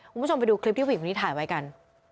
คุณผู้ชมไปดูคลิปที่ผู้หญิงคนนี้ถ่ายไว้กัน